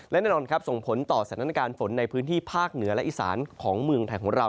และแน่นอนครับส่งผลต่อสถานการณ์ฝนในพื้นที่ภาคเหนือและอีสานของเมืองไทยของเรา